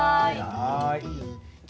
はい。